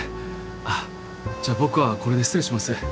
あっじゃあ僕はこれで失礼します。